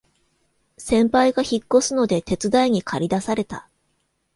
先輩が引っ越すので手伝いにかり出された